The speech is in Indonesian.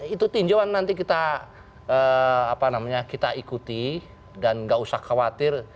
itu tinjauan nanti kita ikuti dan nggak usah khawatir